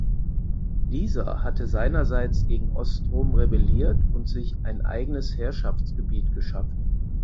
Dieser hatte seinerseits gegen Ostrom rebelliert und sich ein eigenes Herrschaftsgebiet geschaffen.